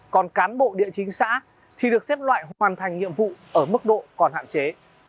còn cán bộ địa chính xã thì được xếp loại hoàn thành nhiệm vụ ở mức độ còn hạn chế